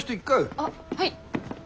あっはい！